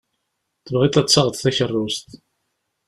Tebɣiḍ ad d-taɣeḍ takeṛṛust.